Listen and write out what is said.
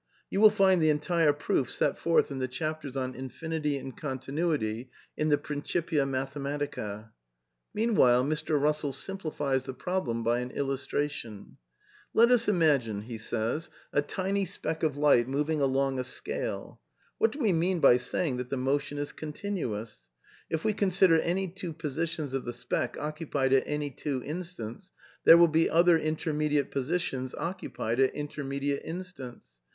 You will find the entire proof set forth in the chapters THE NEW EEALISM 167 on Infinity and Continuity in the Principia Mathematica. v Meanwhile Mr. Eussell simplifies the problem by an illus tration. '^.. Let us imagine a tiny speck of light moving along a scale. What do we mean by saying that the motion is con tinuous? ... If we consider any two positions of the speck occupied at any two instants, there will be other intermediate positions occupied at intermediate instants.